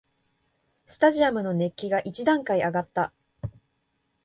スタジアムの熱気が一段階あがった